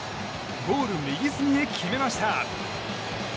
ゴール右隅に決めました。